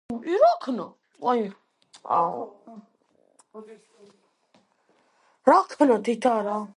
ბერლინის უნივერსიტეტის ერთ-ერთი დამაარსებელი.